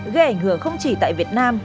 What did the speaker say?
gây ảnh hưởng không chỉ tại việt nam